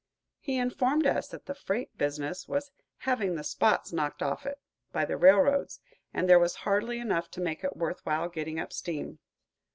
He informed us that the freight business was "having the spots knocked off it" by the railroads, and there was hardly enough to make it worth while getting up steam.